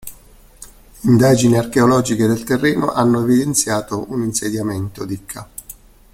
Indagini archeologiche del terreno hanno evidenziato un insediamento di ca.